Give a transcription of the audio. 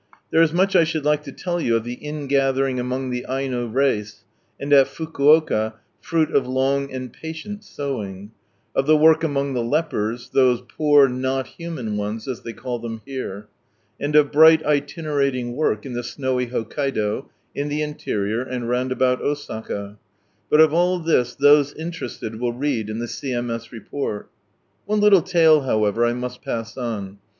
There is much I should like to tell you of the ingathering among the Aino race, and at Fukuoka, fruit of long and patient sowing ; of the work among the lepers, those poor "not human ones," as they call them here; and of bright itinerating work in the snowy Hokaido, in the interior, and round about Osaka ; but of all this those interested will read in the C.M.S. report. One little tale, however, I must pass on.